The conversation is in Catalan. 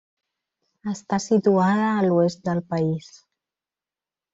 Està situada a l'oest del país.